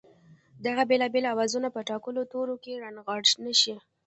دغه بېلابېل آوازونه په ټاکلو تورو کې رانغاړلای نه شي